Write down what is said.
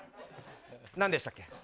何でしたっけ。